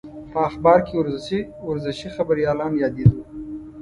په اخبار کې ورزشي خبریالان یادېدو.